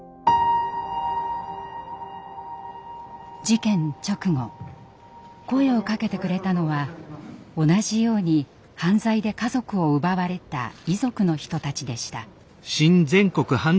事件直後声をかけてくれたのは同じように犯罪で家族を奪われた遺族の人たちでした。